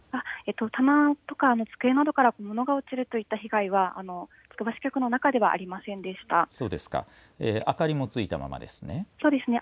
棚とか机などから物が落ちるといった被害はつくば支局の中で明かりもついたままですね。